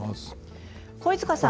肥塚さん。